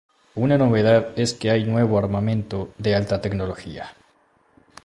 Una novedad es que hay nuevo armamento de alta tecnología.